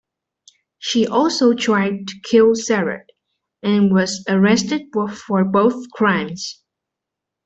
She also tried to kill Sarah and was arrested for both crimes.